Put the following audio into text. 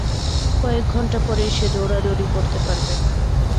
কয়েকঘন্টা পড়েই সে দৌড়াদৌড়ি করতে পারবে।